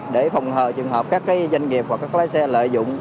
để phòng hờ trường hợp các doanh nghiệp hoặc các lái xe lợi dụng